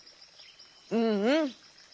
うんうん！